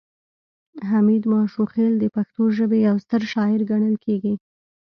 حمید ماشوخیل د پښتو ژبې یو ستر شاعر ګڼل کیږي